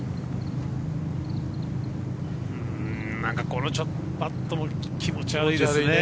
このパットも気持ち悪いですね。